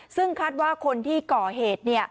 ซึ่งคาดว่าคนที่ก่อเหตุ